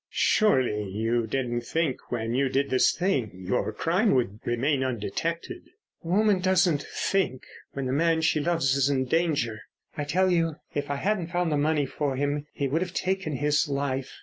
"Surely you didn't think when you did this thing your crime would remain undetected?" "A woman doesn't think when the man she loves is in danger. I tell you, if I hadn't found the money for him he would have taken his life.